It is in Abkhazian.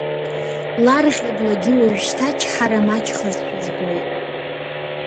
Ларӷьа благьы уажәшьҭа ачҳара маҷхазшәа збоит.